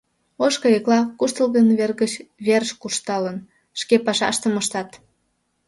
Ош кайыкла, куштылгын вер гыч верыш куржталын, шке пашаштым ыштат.